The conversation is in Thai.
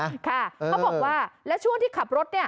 ค่ะเขาบอกว่าแล้วช่วงที่ขับรถ